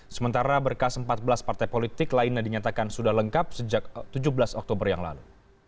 sementara berkas empat belas partai politik lainnya dinyatakan sudah lengkap sejak tujuh belas oktober yang lalu